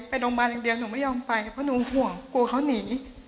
ไปโรงพยาบาลอย่างเดียวหนูไม่ยอมไปเพราะหนูห่วงกลัวเขาหนี